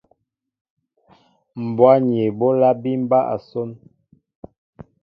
Mbwá ni eɓólá bí mɓá asón.